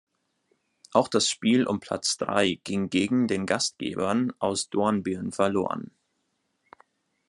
Auch das Spiel um Platz drei ging gegen den Gastgebern aus Dornbirn verloren.